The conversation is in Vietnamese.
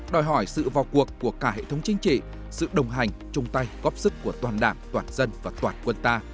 đòi hỏi sự vào cuộc của cả hệ thống chính trị sự đồng hành chung tay góp sức của toàn đảng toàn dân và toàn quân ta